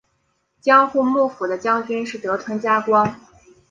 江户幕府的将军是德川家光。